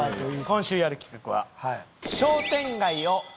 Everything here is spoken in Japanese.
今週やる企画は。